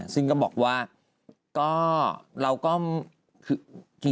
ซึ่งก็บอกว่าก็เราก็คือ